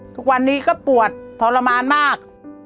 ทุกวันนี้ก็ปวดทรมานมาก